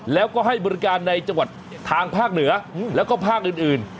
แล้วก็ให้บริการในจังหวัดทางภาคเหนือแล้วก็ภาคอื่น